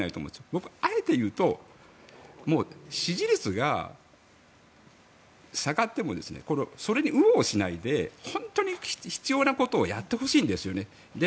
僕、あえて言うと支持率が下がってもそれに右往左往しないで本当に必要なことをやってほしいんですよね。